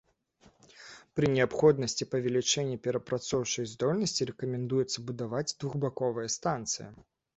Пры неабходнасці павелічэння перапрацоўчай здольнасці рэкамендуецца будаваць двухбаковыя станцыі.